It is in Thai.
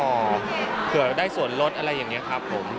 ก็เขื่อได้สวนรถอะไรอย่างนี้ครับเรา